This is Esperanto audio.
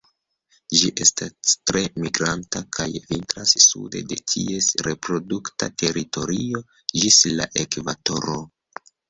Ĝi estas tre migranta kaj vintras sude de ties reprodukta teritorio ĝis la ekvatoro.